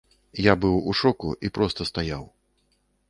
Я быў у шоку і проста стаяў.